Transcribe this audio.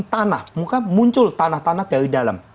tanah muka muncul tanah tanah dari dalam